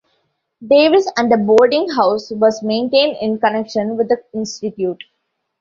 Davis and a boarding house was maintained in connection with the institute.